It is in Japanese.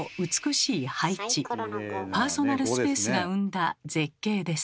パーソナルスペースが生んだ絶景です。